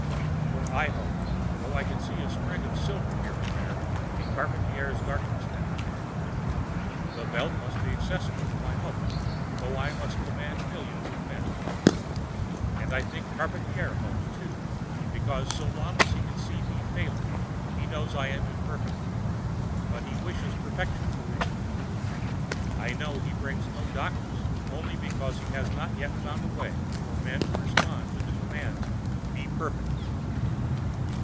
For I hope though I can see a sprig of silver, here and there, in Charpantier's darkness now. The Veld must be accessible to my hope, though I must command millions of men. And I think Charpantier hopes, too, because so long as he can see me failing he knows I am imperfect, but he wishes perfection for me. I know he brings no doctors only because he has not yet found a way for a man to respond to the command, "Be perfect!"